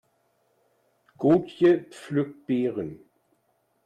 Gotje pflückt Beeren.